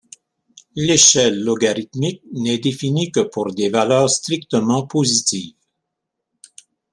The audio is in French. L'échelle logarithmique n'est définie que pour des valeurs strictement positives.